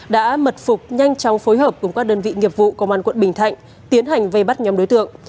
đã mật phục nhanh chóng phối hợp cùng các đơn vị nghiệp vụ công an quận bình thạnh tiến hành vây bắt nhóm đối tượng